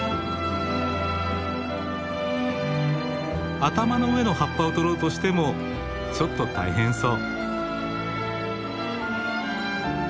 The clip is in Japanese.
頭の上の葉っぱを取ろうとしてもちょっと大変そう。